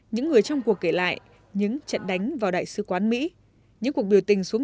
những người trong cuộc kể lại những trận đánh vào đại sứ quán mỹ những cuộc biểu tình xuống